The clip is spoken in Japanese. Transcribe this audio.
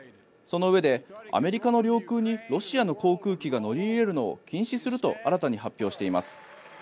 そのうえでアメリカの領空にロシアの航空機が乗り入れるのを禁止すると新たに発表しています。